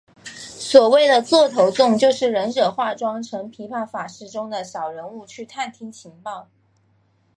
所谓的座头众就是忍者化妆成琵琶法师中的小人物去探听情报。